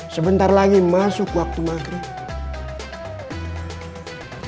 sebentar lagi masuk waktu maghrib